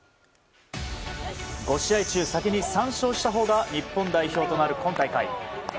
５試合中、先に３勝したほうが日本代表となる今大会。